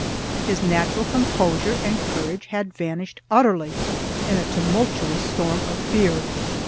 His natural composure and courage had vanished utterly in a tumultuous storm of fear.